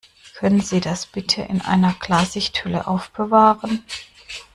Können Sie das bitte in einer Klarsichthülle aufbewahren?